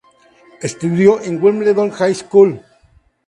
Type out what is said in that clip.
Estudió en Wimbledon High School.